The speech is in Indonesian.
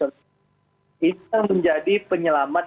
ini yang menjadi penyelamat